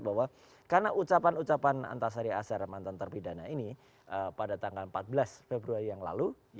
bahwa karena ucapan ucapan antasari azhar mantan terpidana ini pada tanggal empat belas februari yang lalu